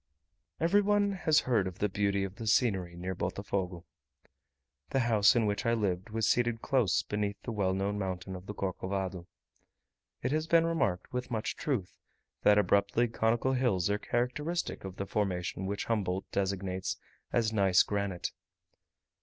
Every one has heard of the beauty of the scenery near Botofogo. The house in which I lived was seated close beneath the well known mountain of the Corcovado. It has been remarked, with much truth, that abruptly conical hills are characteristic of the formation which Humboldt designates as gneiss granite.